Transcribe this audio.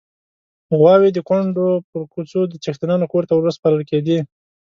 غواوې د کونډو پر کوڅه د څښتنانو کور ته ورسپارل کېدې.